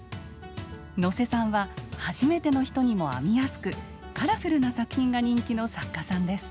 能勢さんは初めての人にも編みやすくカラフルな作品が人気の作家さんです。